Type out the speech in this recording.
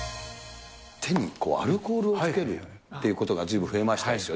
手にアルコールをつけるということがずいぶん増えましたですよね。